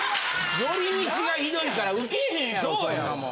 寄り道がひどいからウケへんやろそんなもん。